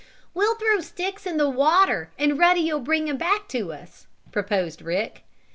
"We'll throw sticks in the water and Ruddy will bring 'em back to us," proposed Rick.